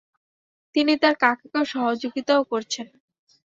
তিনি তার কাকাকে সহযোগিতাও করেছেন ।